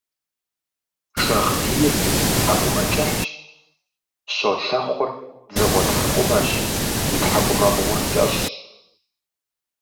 Шагъдийр тхьэкӀумэ кӀыхьщ, щолэхъур дзыгъуэ тхьэкӀумэщ – и тхьэкӀумэбгъур кӀэщӀщ.